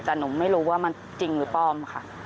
แต่หนูไม่รู้ว่ามันจริงหรือปลอมค่ะ